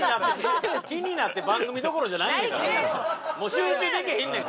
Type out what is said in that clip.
集中できへんねんから。